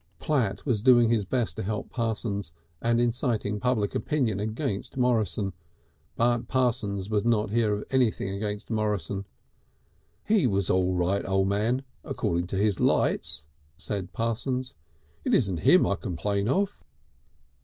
Platt was doing his best to help Parsons, and inciting public opinion against Morrison. But Parsons would not hear of anything against Morrison. "He was all right, O' Man according to his lights," said Parsons. "It isn't him I complain of."